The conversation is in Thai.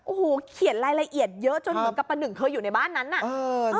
โอ้โหเขียนรายละเอียดเยอะจนเหมือนกับประหนึ่งเคยอยู่ในบ้านนั้นน่ะ